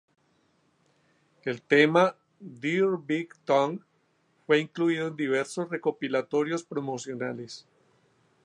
El tema "Dear Big Tongue" fue incluido en diversos recopilatorios promocionales.